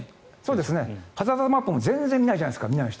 ハザードマップも全然見ないじゃないですか。